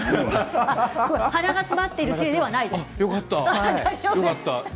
鼻が詰まっているせいではないです。